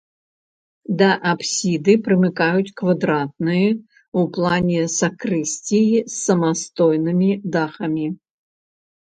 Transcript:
Да апсіды прымыкаюць квадратныя ў плане сакрысціі з самастойнымі дахамі.